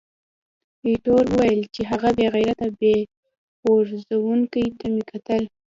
ایټور وویل چې، هغه بې غیرته بم غورځوونکي ته مې کتل.